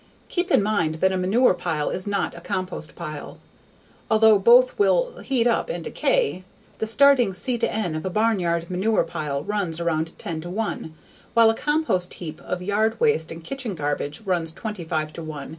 Keep in mind that a manure pile is not a compost pile. Although both will heat up and decay, the starting C/N of a barnyard manure pile runs around 10:1 while a compost heap of yard waste and kitchen garbage runs 25:1 to 30:1.